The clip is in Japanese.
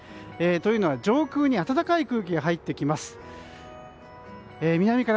というのは上空に暖かい空気が入ってきます。